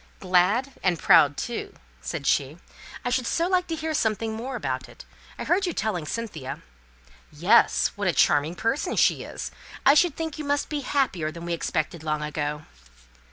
"Glad and proud too," said she. "I should so like to hear something more about it. I heard you telling Cynthia " "Yes. What a charming person she is! I should think you must be happier than we expected long ago."